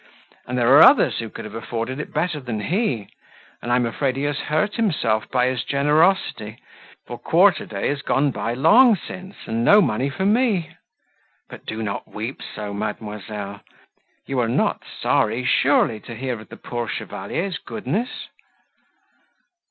And there are others, who could have afforded it better than he: and I am afraid he has hurt himself by his generosity, for quarter day is gone by long since, and no money for me! But do not weep so, mademoiselle: you are not sorry surely to hear of the poor Chevalier's goodness?"